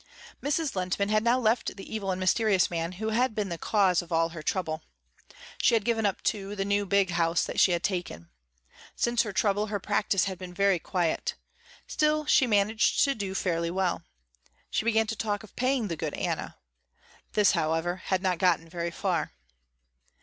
Mrs. Lehntman had now left the evil and mysterious man who had been the cause of all her trouble. She had given up, too, the new big house that she had taken. Since her trouble her practice had been very quiet. Still she managed to do fairly well. She began to talk of paying the good Anna. This, however, had not gotten very far.